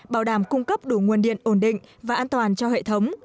bảo đảm cung cấp đủ nguồn điện ổn định và an toàn cho hệ thống